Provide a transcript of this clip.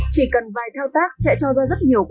chỉ cần vài thao tác sẽ cho ra rất nhiều quảng cáo